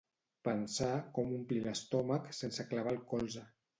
Pensar com omplir l'estómac sense clavar el colze